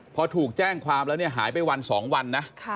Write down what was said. พอถูกแจ้งความแล้วหายไปวันสองวันนะ